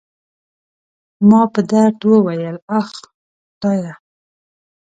ما په درد وویل: اخ، خدایه.